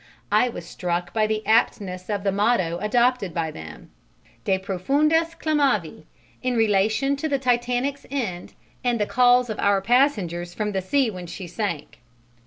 I was struck by the aptness of the motto adopted by them "De profundis clamavi" in relation to the Titanic's end and the calls of our passengers from the sea when she sank.